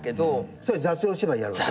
それ座長芝居やるわけ？